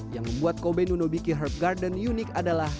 yang membuat kobe nunobiki herb garden unik adalah